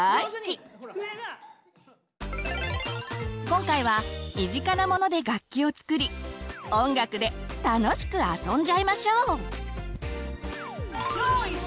今回は身近なモノで楽器を作り音楽で楽しくあそんじゃいましょう！